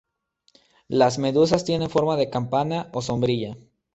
Las medusas tienen forma de campana o sombrilla.